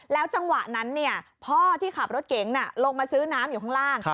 จังหวะนั้นพ่อที่ขับรถเก๋งลงมาซื้อน้ำอยู่ข้างล่าง